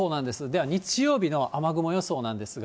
では日曜日の雨雲予想なんですが。